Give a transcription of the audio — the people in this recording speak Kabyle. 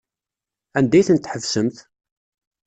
Anda ay ten-tḥebsemt?